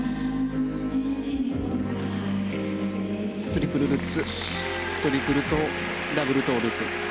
トリプルルッツトリプルトウダブルトウループ。